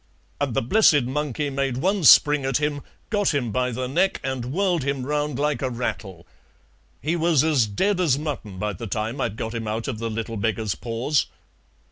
and the blessed monkey made one spring at him, got him by the neck and whirled him round like a rattle. He was as dead as mutton by the time I'd got him out of the little beggar's paws.